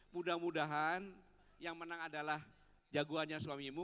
mudah mudahan yang menang adalah jagoannya suamimu